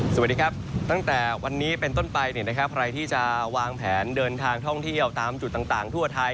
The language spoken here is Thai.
สวัสดีครับตั้งแต่วันนี้เป็นต้นไปเนี่ยนะครับใครที่จะวางแผนเดินทางท่องเที่ยวตามจุดต่างทั่วไทย